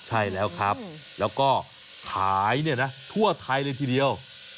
ใช่แล้วครับแล้วก็ขายทั่วไทยเลยทีเดียว